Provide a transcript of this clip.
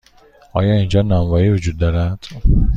آیا اینجا نانوایی وجود دارد؟